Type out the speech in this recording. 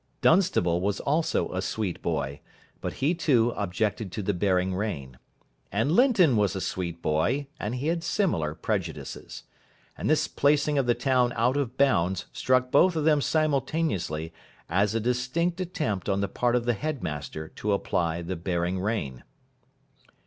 Dunstable was also a sweet boy, but he, too, objected to the bearing rein. And Linton was a sweet boy, and he had similar prejudices. And this placing of the town out of bounds struck both of them simultaneously as a distinct attempt on the part of the headmaster to apply the bearing rein.